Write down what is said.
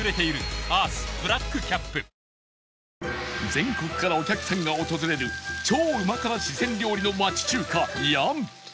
全国からお客さんが訪れる超うま辛四川料理の町中華楊